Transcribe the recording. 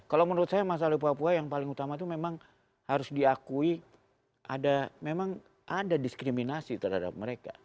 kalau menurut saya masalah di papua yang paling utama itu memang harus diakui ada memang ada diskriminasi terhadap mereka